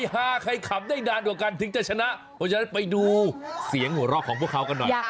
ฮาเท่านั้นเพราะว่าเป็นการแข่งขัน